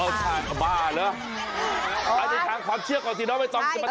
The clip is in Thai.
เอาสิบอ๊ะบ้าหรือ